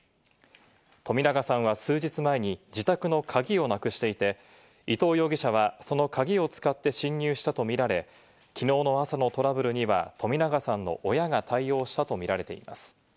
冨永さんは数日前に自宅の鍵をなくしていて、伊藤容疑者はその鍵を使って侵入したとみられ、きのうの朝のトラブルには冨永さんの親が対応したと見られています。